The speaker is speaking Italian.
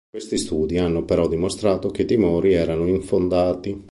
Questi studi hanno però dimostrato che i timori erano infondati.